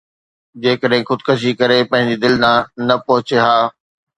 جيڪڏهن خودڪشي ڪري پنهنجي منزل تي نه پهچي ها